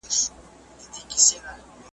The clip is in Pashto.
یوې ښځي زوی مُلا ته راوستلی .